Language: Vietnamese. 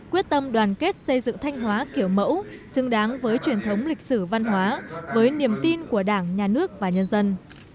quyết tâm đoàn kết xây dựng thanh hóa kiểu mẫu xứng đáng với truyền thống lịch sử văn hóa với niềm tin của đảng nhà nước và nhân dân